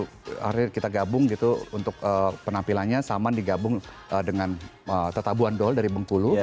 akhirnya kita gabung gitu untuk penampilannya saman digabung dengan teta buandol dari bengkulu